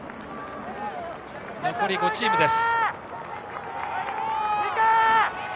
残り５チームです。